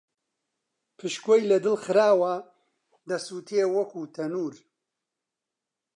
پشکۆی لە دڵ خراوە، دەسووتێ وەکوو تەنوور